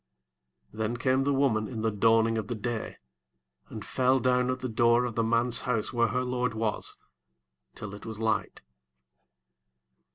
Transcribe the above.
26 Then came the woman in the dawning of the day, and fell down at the door of the man's house where her lord was, till it was light.